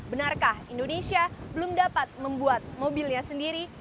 benarkah indonesia belum dapat membuat mobilnya sendiri